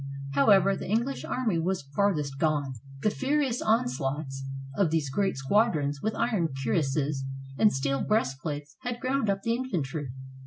However, the English army was farthest gone. The furious onslaughts of these great squadrons, with iron cuirasses and steel breastplates had ground up the infantry.